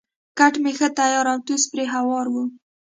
کټ مې ښه تیار او توس پرې هوار وو.